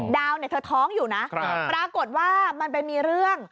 ดาวเนี่ยเธอท้องอยู่นะปรากฏว่ามันไปมีเรื่อง